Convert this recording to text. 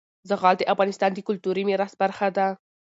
زغال د افغانستان د کلتوري میراث برخه ده.